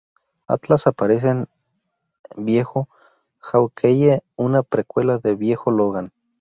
Atlas aparece en "Viejo Hawkeye", una precuela de "Viejo Logan".